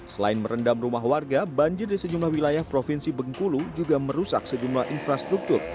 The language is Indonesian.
selain merendam rumah warga banjir di sejumlah wilayah provinsi bengkulu juga merusak sejumlah infrastruktur